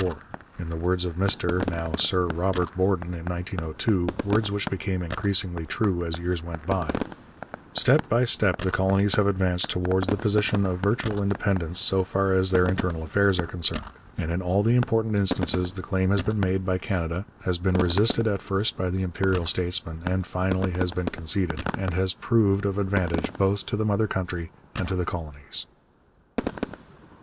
In the words of Mr, now Sir Robert, Borden in 1902, words which became increasingly true as years went by; 'Step by step the colonies have advanced towards the position of virtual independence so far as their internal affairs are concerned, and in all the important instances the claim has been made by Canada, has been resisted at first by the imperial statesmen, and finally has been conceded, and has proved of advantage both to the Mother Country and to the colonies.'